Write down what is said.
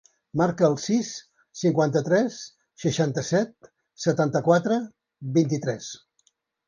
Marca el sis, cinquanta-tres, seixanta-set, setanta-quatre, vint-i-tres.